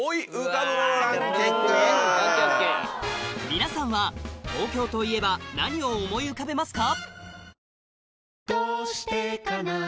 皆さんは東京といえば何を思い浮かべますか？